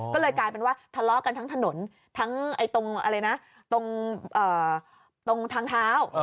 ก็เลยกลายเป็นว่าทะเลาะกันทั้งถนนทั้งตรงทางเท้า